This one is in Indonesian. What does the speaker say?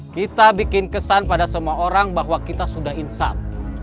kita bikin kesan pada semua orang bahwa kita sudah insap